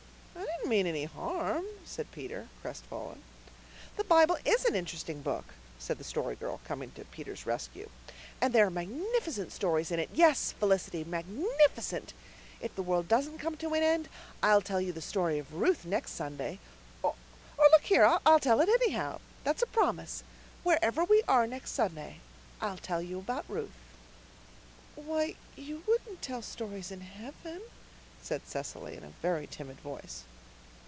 "I didn't mean any harm," said Peter, crestfallen. "The Bible IS an interesting book," said the Story Girl, coming to Peter's rescue. "And there are magnificent stories in it yes, Felicity, MAGNIFICENT. If the world doesn't come to an end I'll tell you the story of Ruth next Sunday or look here! I'll tell it anyhow. That's a promise. Wherever we are next Sunday I'll tell you about Ruth." "Why, you wouldn't tell stories in heaven," said Cecily, in a very timid voice.